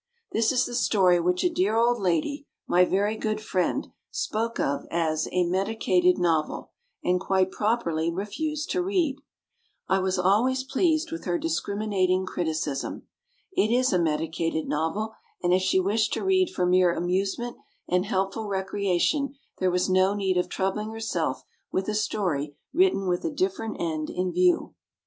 This is the story which a dear old lady, my very good friend, spoke of as "a medicated novel," and quite properly refused to read. I was always pleased with her discriminating criticism. It is a medicated novel, and if she wished to read for mere amusement and helpful recreation there was no need of troubling herself with a story written with a different end in view.